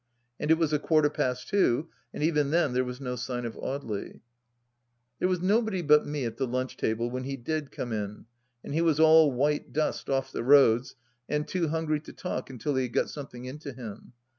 And it was a quarter past two, and even then there was no sign of Audely 1 ... There was nobody but me at the lunch table when he did come in, and he was all white dust off the roads and too hungry to talk until he had got something into him.